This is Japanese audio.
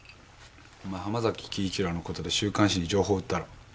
お前濱崎輝一郎のことで週刊誌に情報売ったろ？